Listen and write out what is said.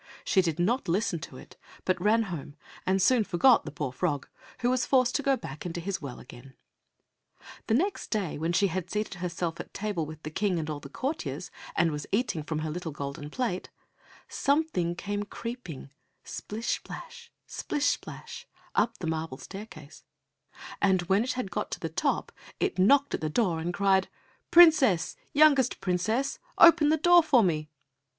She did not listen to it, but ran home and soon forgot the poor frog, who was forced to go back into his well again. The next day when she had seated herself at table with the King and all the courtiers, and was eating from her little golden plate, something came creeping splish splash, splish splash, up the marble staircase, and when it had got to the top, it knocked at the door and cried, "Princess, youngest princess, open the door for me."